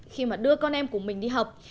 khi mà đưa con em của mình đi học